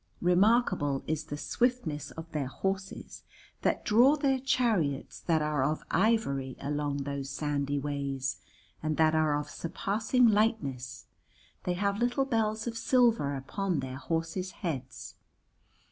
Remarkable is the swiftness of their horses, that draw their chariots that are of ivory along those sandy ways and that are of surpassing lightness, they have little bells of silver upon their horses' heads.